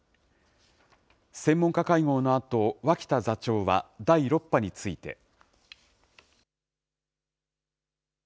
専門家会合のあと、脇田座長は、第６波について。